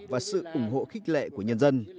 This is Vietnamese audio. và sự ủng hộ khích lệ của nhân dân